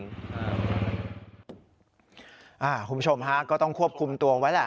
คุณผู้ชมฮะก็ต้องควบคุมตัวไว้แหละ